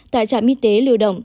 tại trạm y tế lưu động